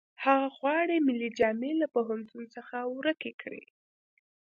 هغه غواړي ملي جامې له پوهنتون څخه ورکې کړي